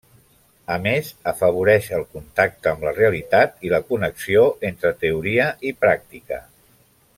A més, afavoreix el contacte amb la realitat i la connexió entre teoria i pràctica.